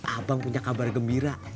abang punya kabar gembira